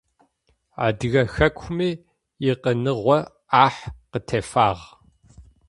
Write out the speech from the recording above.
Адыгэ хэкуми икъиныгъо ӏахь къытефагъ.